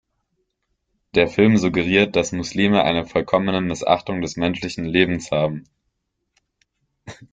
Der Film suggeriert, dass Muslime eine vollkommene Missachtung des menschlichen Lebens haben“.